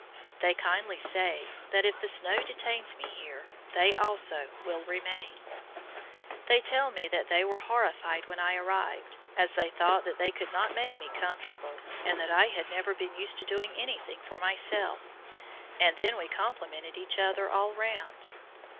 They kindly say that if the snow detains me here they also will remain. They tell me that they were horrified when I arrived, as they thought that they could not make me comfortable, and that I had never been used to do anything for myself, and then we complimented each other all round.